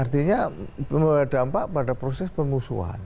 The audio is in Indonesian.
tidak dalam tujuan untuk menciptakan perubahan